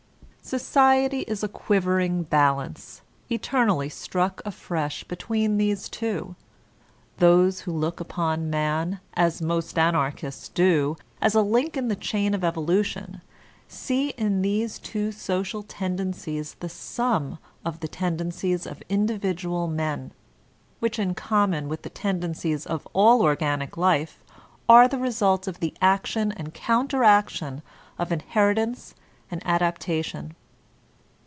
Society is a quivering balance, eternally struck afresh, between these two. Those who look upon Man, as most Anarchists do, as a link in the chain of evolution, see in these two social tendencies the sum of the tendencies of individual men, which in common with the tendencies of all organic life are the result of the action and counter notion of inheritance and adaptation.